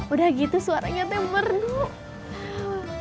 udah gitu suaranya t merdu